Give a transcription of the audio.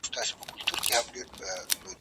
پر هغې ورځي لعنت سمه ویلای `